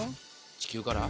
地球から？